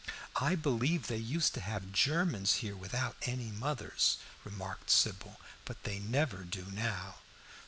"I believe they used to have Germans here without any mothers," remarked Sybil, "but they never do now."